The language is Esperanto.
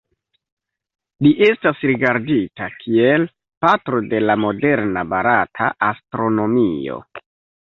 Li estas rigardita kiel "Patro de la moderna barata astronomio".